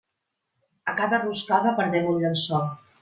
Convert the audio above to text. A cada roscada perdem un llençol.